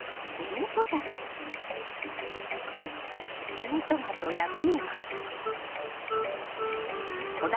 ミニトマトやピーマン小玉